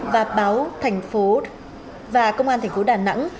và báo tp đà nẵng